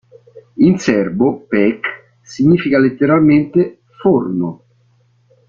In serbo "peć" significa letteralmente "forno".